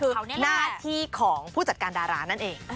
เพราะว่ามันคือหน้าที่ของผู้จัดการดารานั่นเอง